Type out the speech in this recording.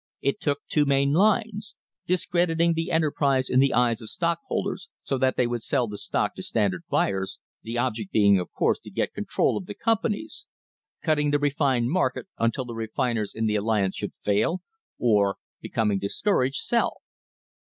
It took two main lines discrediting the enter prise in the eyes of stockholders so that they would sell the stock to Standard buyers, the object being, of course, to get control of the companies; cutting the refined market until the refiners in the alliance should fail, or, becoming discour aged, sell.